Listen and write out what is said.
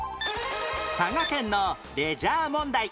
佐賀県のレジャー問題